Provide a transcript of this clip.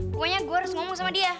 pokoknya gue harus ngomong sama dia